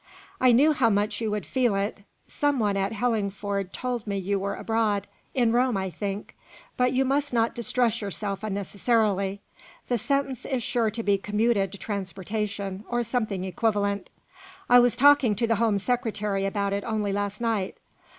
"I knew how much you would feel it. Some one at Hellingford told me you were abroad, in Rome, I think. But you must not distress yourself unnecessarily; the sentence is sure to be commuted to transportation, or something equivalent. I was talking to the Home Secretary about it only last night.